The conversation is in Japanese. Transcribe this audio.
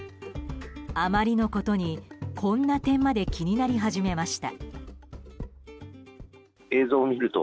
あまりのことに、こんな点まで気になり始めました。